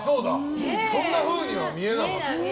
そんなふうには見えなかった。